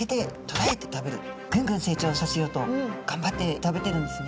ぐんぐん成長させようとがんばって食べてるんですね。